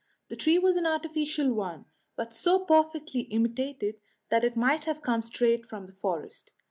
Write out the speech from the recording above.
The tree was an artificial one, but so perfectly imitated that it might have come straight from the forest.